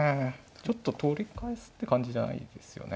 ちょっと取り返すって感じじゃないですよね。